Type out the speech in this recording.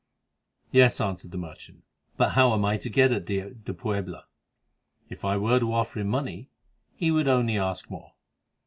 "Yes," answered the merchant; "but how am I to get at de Puebla? If I were to offer him money, he would only ask more."